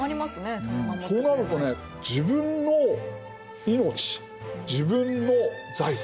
そうなるとね自分の命自分の財産